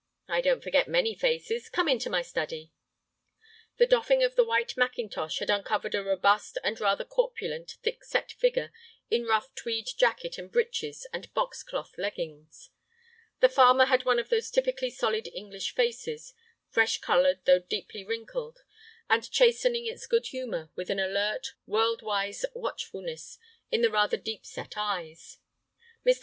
"I don't forget many faces. Come into my study." The doffing of the white mackintosh had uncovered a robust and rather corpulent, thick set figure in rough tweed jacket and breeches and box cloth leggings. The farmer had one of those typically solid English faces, fresh colored though deeply wrinkled, and chastening its good humor with an alert, world wise watchfulness in the rather deep set eyes. Mr.